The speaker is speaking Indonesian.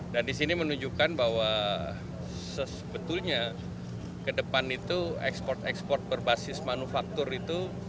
dan di sini menunjukkan bahwa sebetulnya ke depan itu ekspor ekspor berbasis manufaktur itu